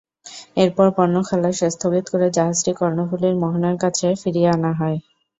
এরপর পণ্য খালাস স্থগিত করে জাহাজটি কর্ণফুলীর মোহনার কাছে ফিরিয়ে আনা হয়।